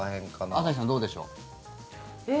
朝日さん、どうでしょう。